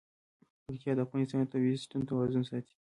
پکتیکا د افغانستان د طبعي سیسټم توازن ساتي.